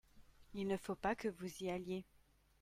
Il ne faut pas que vous y alliez.